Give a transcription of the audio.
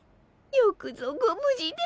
よくぞご無事で。